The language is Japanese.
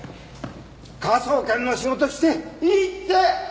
科捜研の仕事していいって！